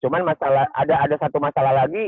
cuma masalah ada satu masalah lagi